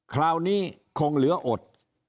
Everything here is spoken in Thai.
คราวนี้คงเหลืออด